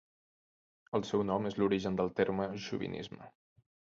El seu nom és l'origen del terme xovinisme.